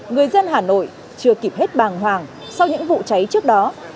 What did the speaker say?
người dân hà nội chưa kịp hết bàng hoàng sau những vụ cháy trước đó